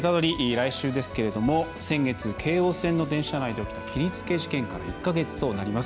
来週ですけれども先月、京王線の電車内で起きた切りつけ事件から１か月となります。